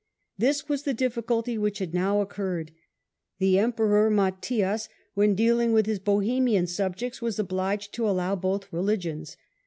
This was the difficulty which had now occurred. The Emperor Matthias, when dealing with his Bohemian subjects, was obliged to allow both religions.